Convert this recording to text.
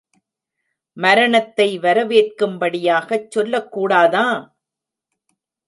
மரணத்தை வரவேற்கும்படியாகச் சொல்லக் கூடாதா?